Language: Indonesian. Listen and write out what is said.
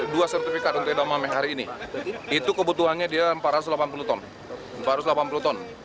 dua sertifikat untuk edamame hari ini itu kebutuhannya dia empat ratus delapan puluh ton